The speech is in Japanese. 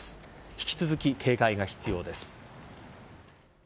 引き続き警戒が必要です。